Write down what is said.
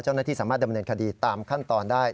เจ้าหน้าที่สามารถดำเนินคดีตามขั้นตอนได้